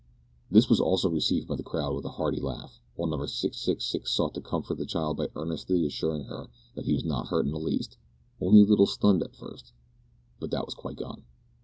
This also was received by the crowd with a hearty laugh, while Number 666 sought to comfort the child by earnestly assuring her that he was not hurt in the least only a little stunned at first, but that was quite gone.